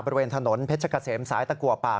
บริเวณถนนเพชรเกษมสายตะกัวป่า